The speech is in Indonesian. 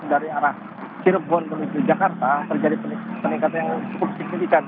dari arah cirebon menuju jakarta terjadi peningkatan yang cukup signifikan